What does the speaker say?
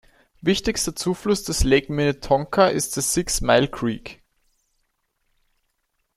Wichtigster Zufluss des Lake Minnetonka ist der Six Mile Creek.